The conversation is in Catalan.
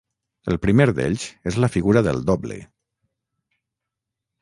El primer d'ells és la figura del doble.